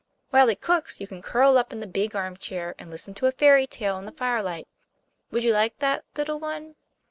While it cooks you can curl up in the big armchair and listen to a fairy tale in the firelight. Would you like that, little one?"